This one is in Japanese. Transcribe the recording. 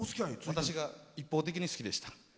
私が一方的に好きでした。